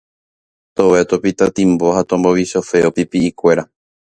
tove topita timbo ha tombovichofeo pipi'ikuéra